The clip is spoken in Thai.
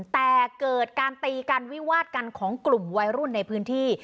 แต่เกิดการตีกันวิวาดกันของกลุ่มวัยรุ่นในพื้นที่